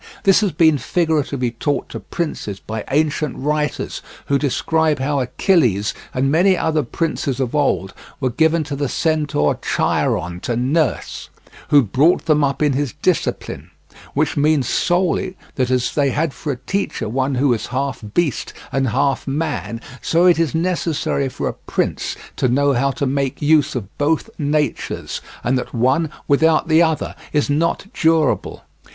This has been figuratively taught to princes by ancient writers, who describe how Achilles and many other princes of old were given to the Centaur Chiron to nurse, who brought them up in his discipline; which means solely that, as they had for a teacher one who was half beast and half man, so it is necessary for a prince to know how to make use of both natures, and that one without the other is not durable.